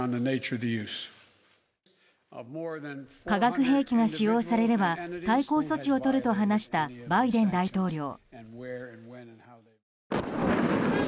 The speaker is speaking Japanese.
化学兵器が使用されれば対抗措置をとると話したバイデン大統領。